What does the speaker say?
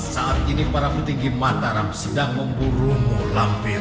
saat ini para petinggi mataram sedang memburu mu lampir